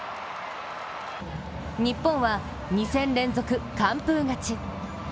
日本は２戦連続完封勝ち。